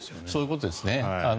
そういうことですね。